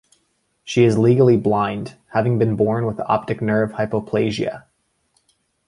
She is legally blind, having been born with optic nerve hypoplasia.